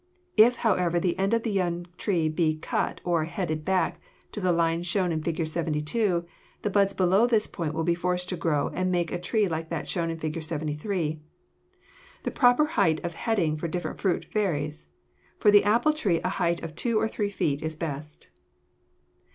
If, however, the end of the young tree be cut or "headed back" to the lines shown in Fig. 72, the buds below this point will be forced to grow and make a tree like that shown in Fig. 73. The proper height of heading for different fruits varies. For the apple tree a height of two or three feet is best.